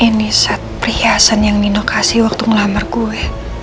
ini set perhiasan yang nino kasih waktu ngelamar gue